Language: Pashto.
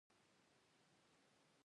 د ودانیو مواد له کومه کیږي؟